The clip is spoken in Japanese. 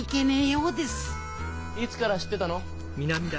いつから知ってたの？